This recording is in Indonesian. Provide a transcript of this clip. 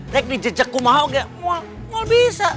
tapi jajakku maunya tidak bisa